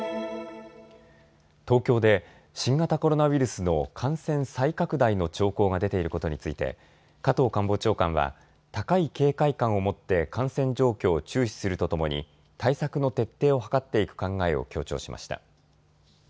東京で新型コロナウイルスの感染再拡大の兆候が出ていることについて加藤官房長官は高い警戒感を持って感染状況を注視するとともに対策の徹底を図っていく考えを強調しました。